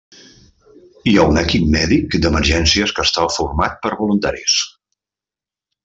Hi ha un equip mèdic d'emergències que està format per voluntaris.